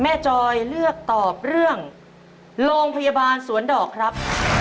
จอยเลือกตอบเรื่องโรงพยาบาลสวนดอกครับ